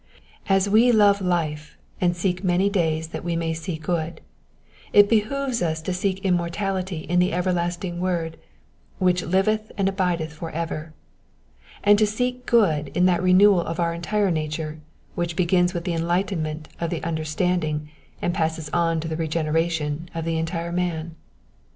As we love life, and seek many days that we may see good, it behoves us to seek immortality in the everlasting word which liveth and abideth for ever, and to seek good in that renewal of our entire nature which begins with the enlightenment of the understanding and eisses on to the regeneration of the entire man.